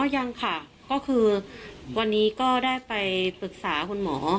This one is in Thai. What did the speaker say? ยังค่ะก็คือวันนี้ก็ได้ไปปรึกษาคุณหมอ